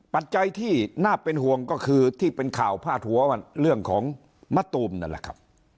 ปัจจัยที่น่าเป็นห่วงก็คือที่เป็นข่าวพาดหัวเรื่องของมะตูมนั่นแหละครับ